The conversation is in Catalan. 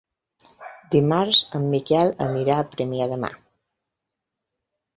Dimarts en Miquel anirà a Premià de Mar.